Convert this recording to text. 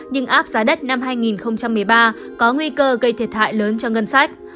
nhưng áp giá đất năm hai nghìn một mươi ba có nguy cơ gây thiệt hại lớn cho ngân sách